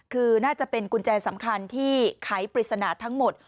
คือน่าจะเป็นกุญแจสำคัญที่ไขปริศนาทั้งหมด